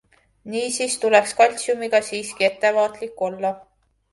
Niisiis tuleks kaltsiumiga siiski ettevaatlik olla.